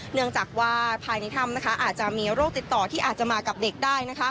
เนื่องจากว่าภายในถ้ำอาจจะมีโรคติดต่อที่อาจจะมากับเด็กได้